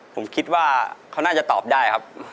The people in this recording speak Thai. ผมคิดว่าเขาน่าจะตอบได้ครับ